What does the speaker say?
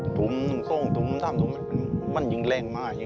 พอสามตุ๋มมันยิ่งแรงมาก